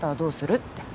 って